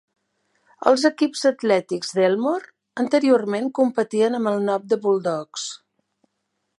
Els equips atlètics d'Elmore anteriorment competien amb el nom de Bulldogs.